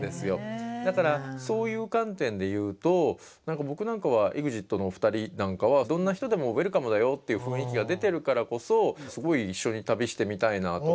だからそういう観点で言うと僕なんかはＥＸＩＴのお二人なんかはどんな人でもウエルカムだよっていう雰囲気が出てるからこそすごい一緒に旅してみたいなと思うし。